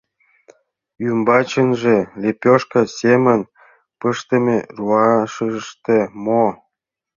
Ӱмбачынже лепошка семын пыштыме руашыште мо?